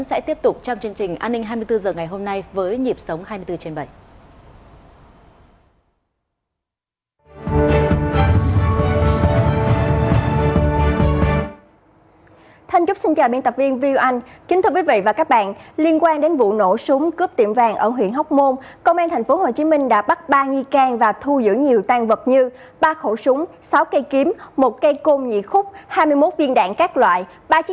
sẽ tiếp tục trong chương trình an ninh hai mươi bốn h ngày hôm nay